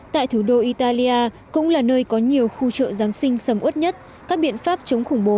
tại thủ đô italia cũng là nơi có nhiều khu chợ giáng sinh sầm ớt nhất các biện pháp chống khủng bố